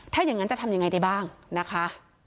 ถ้าอย่างนั้นจะทำยังไงได้บ้างนะคะ